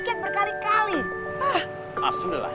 bapak sudah kembali ke sekolah